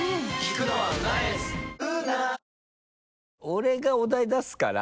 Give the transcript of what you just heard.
俺がお題出すから。